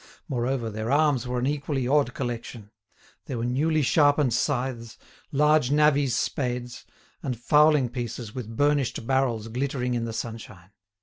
Moreover, their arms were an equally odd collection: there were newly sharpened scythes, large navvies' spades, and fowling pieces with burnished barrels glittering in the sunshine.